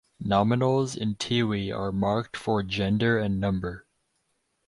Nominals in Tiwi are marked for gender and number.